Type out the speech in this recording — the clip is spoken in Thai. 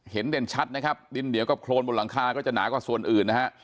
เด่นชัดนะครับดินเหนียวกับโครนบนหลังคาก็จะหนากว่าส่วนอื่นนะฮะ